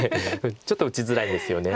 ちょっと打ちづらいですよね。